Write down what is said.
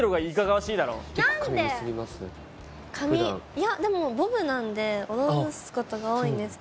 いやでもボブなんで下ろすことが多いんですけど。